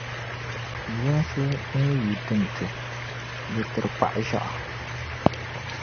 duunsi mi yi dim ti, di tiri ti kpaɣu ʒiɛɣu.